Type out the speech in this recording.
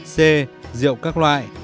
c rượu các loại